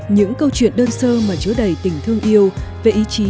những câu chuyện đơn sơ mà chứa đầy tình thương yêu về ý chí